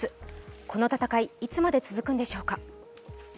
この戦い、いつまで続くんでしょうか。